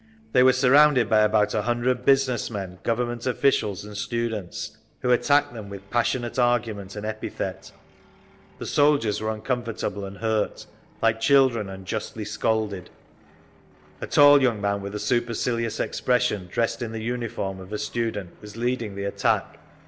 They were surrounded by about a hundred business men, Government officials and students, who attacked them with passionate argument and epithet. The soldiers were uncomfortable and hurt, like children unjustly scolded. A tall young man with a supercilious expression, dressed in the uniform of a student, was leading the attack.